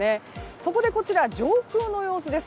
そこでこちら、上空の様子です。